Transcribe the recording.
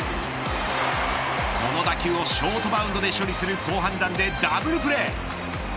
この打球をショートバウンドで処理する好判断でダブルプレー。